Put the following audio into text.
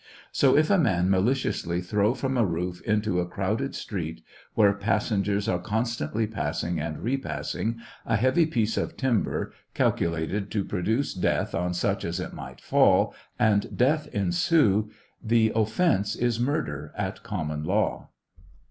So if a man maliciously throw from a roof into a crowded street, where passengers are con stantly passing and repassing, a heavy piece of timber, calculated to produce death on such as it might fall, and death ensue, the offence is murder at common law.